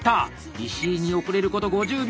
石井に遅れること５０秒！